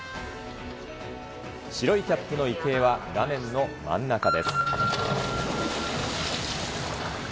白いキャップの池江は画面の真ん中です。